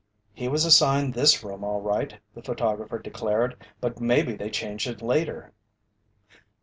"He was assigned this room all right," the photographer declared. "But maybe they changed it later."